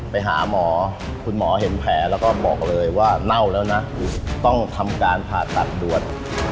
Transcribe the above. ไปหาหมอคุณหมอเห็นแผลแล้วก็บอกเลยว่าเน่าแล้วนะคือต้องทำการผ่าตัดด่วน